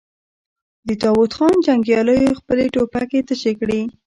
د داوود خان جنګياليو خپلې ټوپکې تشې کړې.